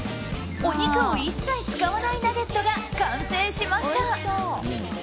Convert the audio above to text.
お肉を一切使わないナゲットが完成しました。